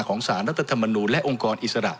สารรัฐธรรมนูลและองค์กรอิสระ